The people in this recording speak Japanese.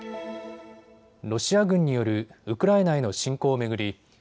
ロシア軍によるウクライナへの侵攻を巡り